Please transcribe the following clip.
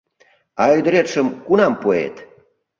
А ӱдыретшым кунам пуэт?